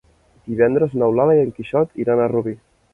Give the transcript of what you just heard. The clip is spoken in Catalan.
Divendres n'Eulàlia i en Quixot iran a Rubí.